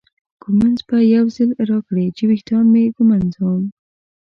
ږومنځ به یو ځل راکړې چې ویښتان مې وږمنځم.